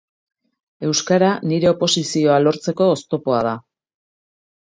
Euskara nire oposizioa lortzeko oztopoa da.